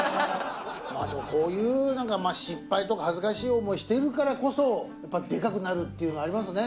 こういう失敗とか恥ずかしい思いしてるからこそでかくなるっていうのありますね。